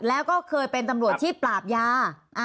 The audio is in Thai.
แล้วก็เคยเป็นตำรวจที่ปราบยา